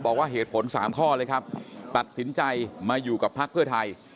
บอกว่าเหตุผล๓ข้อเลยครับตัดสินใจมาอยู่กับพักเพื่อไทย